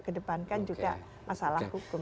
kedepankan juga masalah